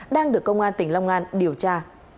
đang được công an tỉnh long an điều tra